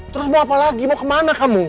terus mau apa lagi mau kemana kamu